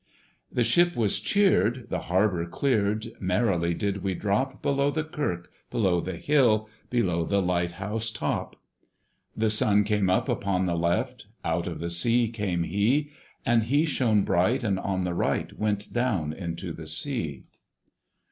The ship was cheered, the harbour cleared, Merrily did we drop Below the kirk, below the hill, Below the light house top. The Sun came up upon the left, Out of the sea came he! And he shone bright, and on the right Went down into the sea.